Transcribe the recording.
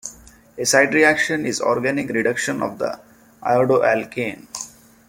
A side-reaction is organic reduction of the iodoalkane.